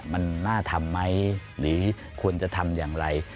มันน่าทำไหมหรือควรจะทำอย่างไร